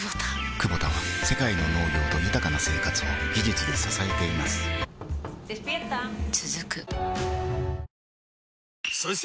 クボタは世界の農業と豊かな生活を技術で支えています起きて。